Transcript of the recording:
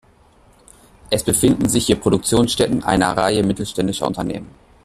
Es befinden sich hier Produktionsstätten einer Reihe mittelständischer Unternehmen.